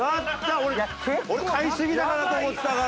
俺買いすぎだなと思ってたから。